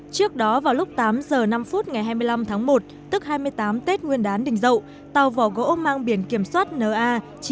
trước đó vào lúc tám giờ năm phút ngày hai mươi năm tháng một tàu vỏ gỗ mang biển kiểm soát n a